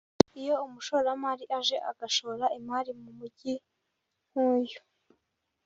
Iyo umushoramari aje agashora imari mu mujyi nk’uyu